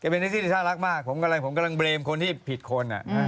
เป็นที่ที่น่ารักมากผมกำลังเบรมคนที่ผิดคน